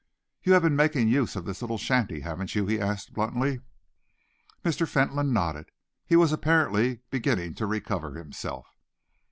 "You have been making use of this little shanty, haven't you?" he asked bluntly. Mr. Fentolin nodded. He was apparently beginning to recover himself.